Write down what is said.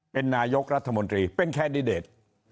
เป็นนายกรัฐมนตรีเป็นแคนดิเดต